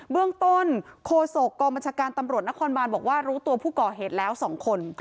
เบื้องต้นโฆษกองบัญชาการตำรวจนครบานบอกว่ารู้ตัวผู้ก่อเหตุแล้ว๒คน